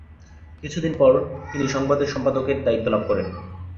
কিছুদিন পর তিনি সংবাদের সম্পাদকের দায়িত্ব লাভ করেন।